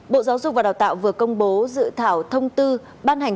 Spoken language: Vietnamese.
bộ giáo dục và đào tạo vừa công bố dự thảo thông tư ban hành